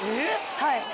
はい。